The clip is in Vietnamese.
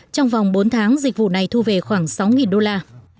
trong vòng bốn tháng dịch vụ này thu về khoảng sáu đô la